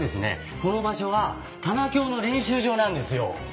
この場所は玉響の練習場なんですよ。